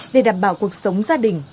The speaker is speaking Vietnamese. để đảm bảo cuộc sống gia đình